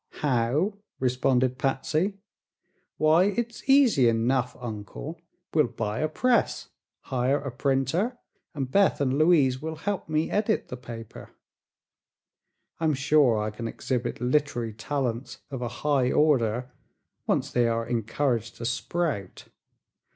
"How?" responded Patsy; "why, it's easy enough, Uncle. We'll buy a press, hire a printer, and Beth and Louise will help me edit the paper. I'm sure I can exhibit literary talents of a high order, once they are encouraged to sprout.